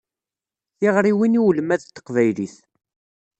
Tiɣriwin i ulmad n teqbaylit.